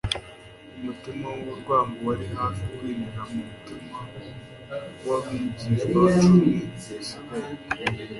Umutima w'urwango wari hafi kwinjira mu mitima y'abigishwa cumi basigaye,